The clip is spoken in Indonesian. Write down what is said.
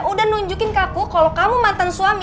udah nunjukin ke aku kalau kamu mantan suami